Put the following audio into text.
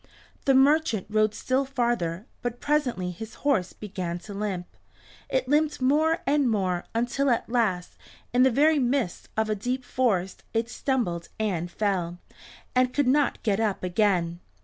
The merchant rode still farther, but presently his horse began to limp. It limped more and more, until at last, in the very midst of a deep forest, it stumbled and fell, and could not get up again.